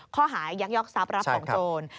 ข้อหายักยอกทรัพย์รับของโจร